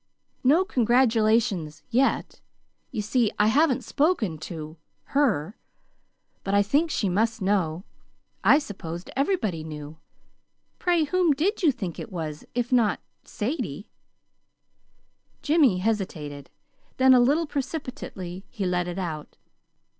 "No congratulations yet. You see, I haven't spoken to her. But I think she must know. I supposed everybody knew. Pray, whom did you think it was, if not Sadie?" Jimmy hesitated. Then, a little precipitately, he let it out.